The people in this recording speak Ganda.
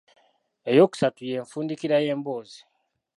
Eyookusatu ye nfunkidira y'emboozi.